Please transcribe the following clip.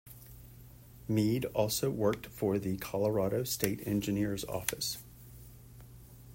Mead also worked for the Colorado State Engineer's Office.